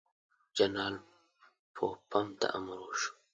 جنرال پوفم ته امر وشو.